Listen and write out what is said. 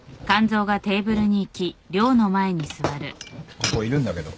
ここいるんだけど。